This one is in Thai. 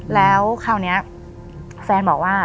แล้วคราวนี้แฟนบอกว่า